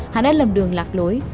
hắn đã lầm đường lạc lối